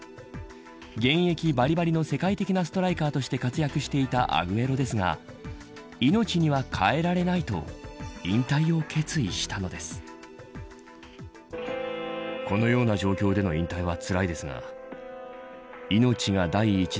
現役ばりばりの世界的なストライカーとして活躍していたアグエロですが命には代えられないと引退を決意したのです。